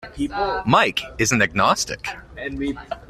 Mike is an agnostic.